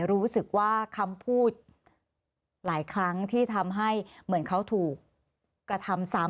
รู้สึกว่าคำพูดหลายครั้งที่ทำให้เหมือนเขาถูกกระทำซ้ำ